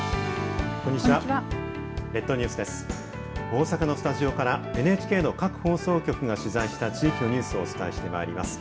大阪のスタジオからＮＨＫの各放送局が取材した地域のニュースをお伝えしてまいります。